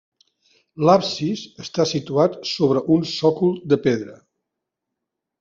L'absis està situat sobre un sòcol de pedra.